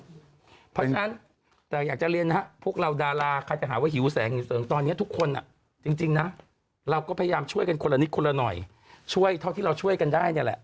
เพราะฉะนั้นแต่อยากจะเรียนนะฮะพวกเราดาราใครจะหาว่าหิวแสงหิวเสริงตอนนี้ทุกคนจริงนะเราก็พยายามช่วยกันคนละนิดคนละหน่อยช่วยเท่าที่เราช่วยกันได้เนี่ยแหละ